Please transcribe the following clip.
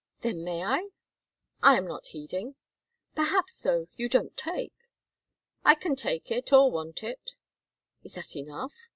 "Then may I?" "I am not heeding." "Perhaps, though, you don't take?" "I can take it or want it." "Is that enough?"